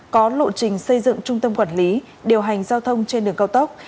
có lộ trình xây dựng trung tâm quản lý điều hành giao thông trên đường cao tốc